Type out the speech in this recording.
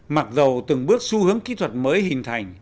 mặc dù từng bước xu hướng kỹ thuật mới hình thành